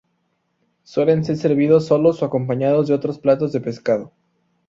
Suelen ser servidos solos o acompañados de otros platos de pescado.